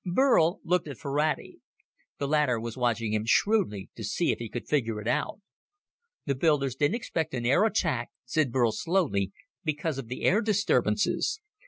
Burl looked at Ferrati. The latter was watching him shrewdly to see if he could figure it out. "The builders didn't expect an air attack," said Burl slowly, "because of the air disturbances.